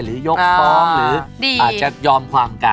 ยกฟ้องหรืออาจจะยอมความกัน